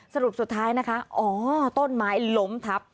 สรุปสุดท้ายนะคะอ๋อต้นไม้ล้มทับ